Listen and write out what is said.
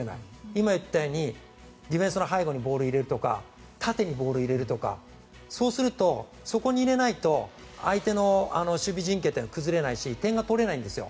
今言ったようにディフェンスの背後にボールを入れるとか縦にボールを入れるとかそうするとそこに入れないと相手の守備陣形は崩れないし点が取れないんですよ。